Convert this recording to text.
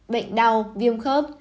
bệnh đau viêm khớp